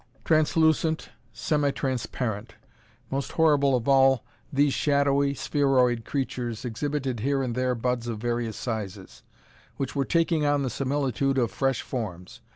Translucent, semi transparent. Most horrible of all, these shadowy, spheroid creatures exhibited here and there buds of various sizes, which were taking on the similitude of fresh forms.